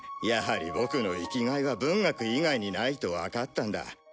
やはりボクの生きがいは文学以外にないとわかったんだ。